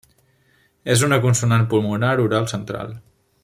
És una consonant pulmonar oral central.